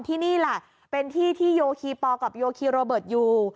ที่นี่แหละเป็นที่ที่โยคีปอลกับโยคีโรเบิร์ตอยู่